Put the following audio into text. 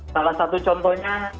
salah satu contohnya